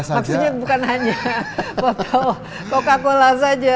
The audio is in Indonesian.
maksudnya bukan hanya foto coca cola saja